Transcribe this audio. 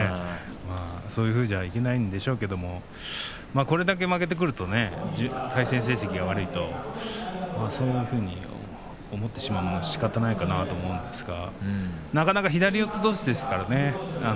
そういうふうじゃ、いけないんでしょうけれどこれだけ負けてくると対戦成績が悪いとそういうふうに思ってしまうのもしかたないかなと思うんですがなかなか左四つどうしですからね。